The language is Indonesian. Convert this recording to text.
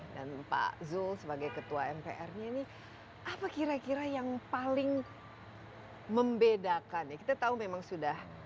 dan pak zul sebagai ketua mpr ini apa kira kira yang paling membedakan kita tahu memang sudah